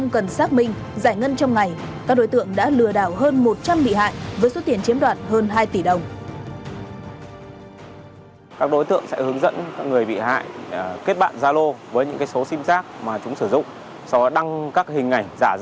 các tài khoản giả thấp không cần xác minh giải ngân trong ngày